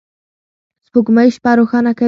سپوږمۍ شپه روښانه کوي.